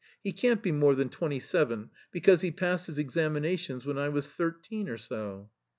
He can't be more than twenty seven, because he passed his examinaticms when I was thirteen or so."